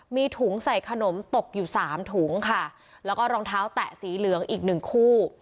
มีถุงใส่ขนมตกอยู่สามถุงค่ะแล้วก็รองเท้าแตะสีเหลืองอีกหนึ่งคู่